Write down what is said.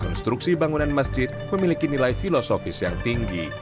konstruksi bangunan masjid memiliki nilai filosofis yang tinggi